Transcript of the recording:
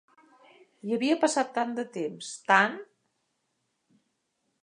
I havia passat tant de temps... tant!